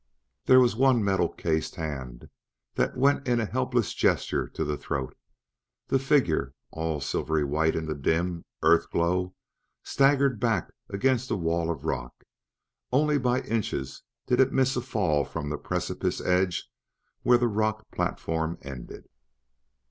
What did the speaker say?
There was one metal cased hand that went in a helpless gesture to the throat; the figure, all silvery white in the dim Earth glow, staggered back against a wall of rock; only by inches did it miss a fall from the precipice edge where the rock platform ended.